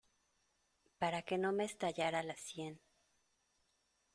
para que no me estallara la sien.